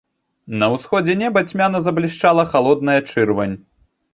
На ўсходзе неба цьмяна заблішчала халодная чырвань.